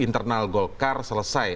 internal golkar selesai